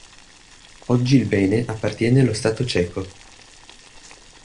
Oggi il bene appartiene allo Stato ceco.